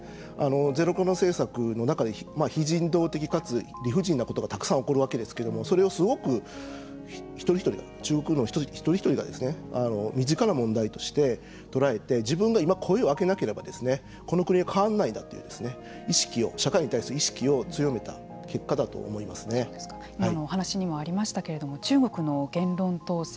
ゼロコロナ政策の中で非人道的かつ理不尽なことがたくさん行われるわけですけれどもそれをすごく一人一人が中国の一人一人が身近な問題として捉えて自分が今、声を上げなければこの国は変わらないんだという意識を、社会に対する意識を今のお話にもありましたけれども中国の言論統制。